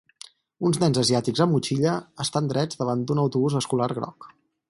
Uns nens asiàtics amb motxilla estan drets davant d'un autobús escolar groc.